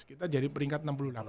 kita jadi peringkat enam puluh delapan